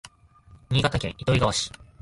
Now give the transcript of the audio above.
新潟県糸魚川市